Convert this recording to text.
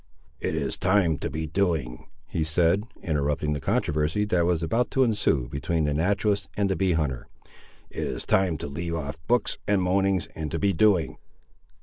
"It is time to be doing," he said, interrupting the controversy that was about to ensue between the naturalist and the bee hunter; "it is time to leave off books and moanings, and to be doing."